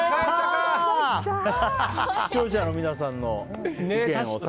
視聴者の皆さんの意見を。